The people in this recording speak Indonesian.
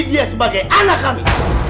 dia sebagai anak kami